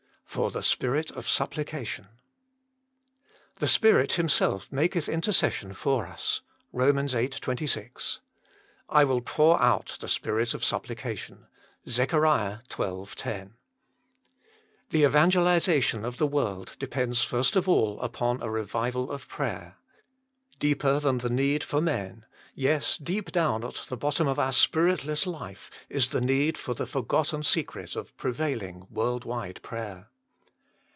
3For tlje Spirit of ^application "The Spirit Himself maketh intercession for us." BOM. Tin. 26. "I will pour out the Spirit of Supplication." ZECII. xii. 10. " The evangelisation of the world depends first of all upon a re vival of prayer. Deeper than the need for men ay, deep down at the bottom of our spiritless life is the need for the forgotten secret of prevailing, world wide prayer."